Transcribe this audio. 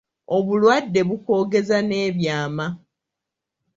Obulwadde bukwogeza n’ebyama.